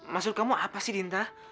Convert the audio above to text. maksud kamu apa sih rinta